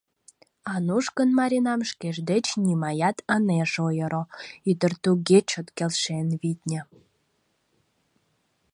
Ануш гын Маринам шкеж деч нимаят ынеж ойыро — ӱдыр туге чот келшен, витне.